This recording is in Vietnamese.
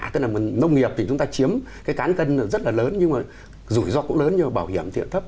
tức là nông nghiệp thì chúng ta chiếm cái cán cân rất là lớn nhưng mà rủi ro cũng lớn nhưng mà bảo hiểm thiện thấp